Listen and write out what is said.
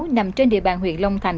nằm trên địa bàn huyện long thành